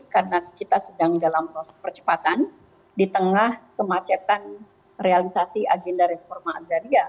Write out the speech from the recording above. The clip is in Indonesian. karena kita sedang dalam proses percepatan di tengah kemacetan realisasi agenda reforma agraria